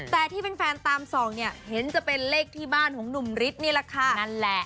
แต่ที่แฟนตามส่องเนี่ยเห็นจะเป็นเลขที่บ้านของหนุ่มฤทธิ์นี่แหละค่ะนั่นแหละ